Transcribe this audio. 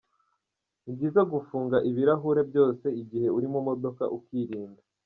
Ni byiza gufunga ibirahure byose igihe uri mu modoka, ukirinda.